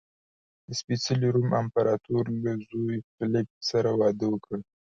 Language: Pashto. د سپېڅلي روم امپراتور له زوی فلیپ سره واده وکړ.